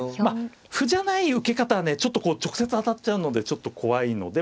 歩じゃない受け方はねこう直接当たっちゃうのでちょっと怖いので。